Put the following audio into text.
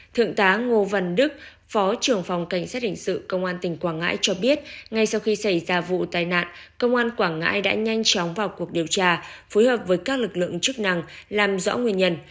thượng tá ngô văn đức phó trưởng phòng cảnh sát hình sự công an tỉnh quảng ngãi cho biết ngay sau khi xảy ra vụ tai nạn công an quảng ngãi đã nhanh chóng vào cuộc điều tra phối hợp với các lực lượng chức năng làm rõ nguyên nhân